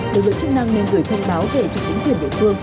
đối với chức năng nên gửi thông báo về cho chính quyền địa phương